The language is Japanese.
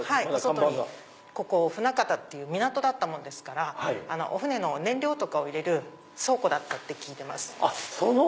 ここ船形っていう港だったものですからお船の燃料とかを入れる倉庫だったって聞いてます。